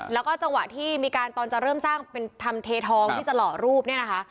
แล้วก็จังหวะที่มีการตอนจะเริ่มสร้างเป็นทำเททองที่จะหล่อรูปเนี่ยนะคะ